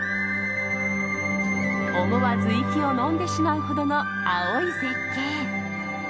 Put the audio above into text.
思わず息をのんでしまうほどの青い絶景。